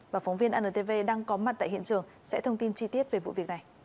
và phóng viên antv đang có mặt tại hiện trường sẽ thông tin chi tiết về vụ việc này